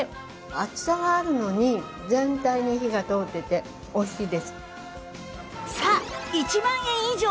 厚さがあるのに全体に火が通ってて美味しいです。